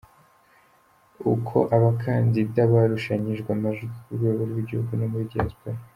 Uko abakandida barushanyijwe amajwi ku rwego rw’igihugu no muri Diaspora.